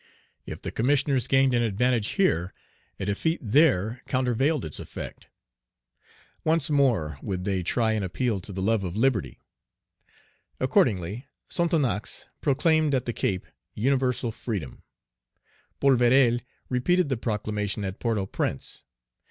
If the Commissioners gained an advantage here, a defeat there countervailed its effect. Once more would they try an appeal to the love of liberty. Accordingly Sonthonax proclaimed at the Cape universal freedom. Polverel repeated the proclamation at Port au Prince.